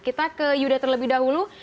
kita ke yuda terlebih dahulu